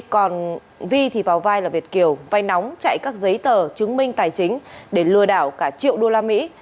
còn vi thì vào vai là việt kiều vay nóng chạy các giấy tờ chứng minh tài chính để lừa đảo cả triệu đô la mỹ